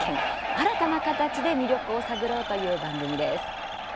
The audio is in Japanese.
新たな形で魅力を探ろうという番組です。